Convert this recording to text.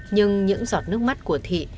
nhưng những giọt nước mắt của thị